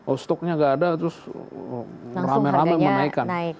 oh stoknya nggak ada terus rame rame menaikkan